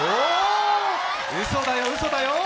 うそだよ、うそだよ。